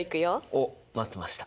おっ待ってました。